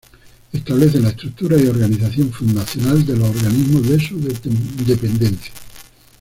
Establece la estructura y organización funcional de los organismos de su dependencia.